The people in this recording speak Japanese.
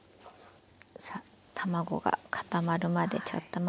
さあ卵が固まるまでちょっと待ちますね。